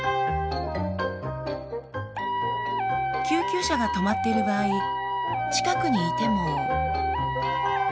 救急車が止まっている場合近くにいても。